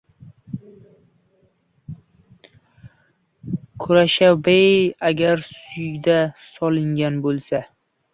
Kusherbayev: "Agar sudya "sotilgan" bo‘lsa..."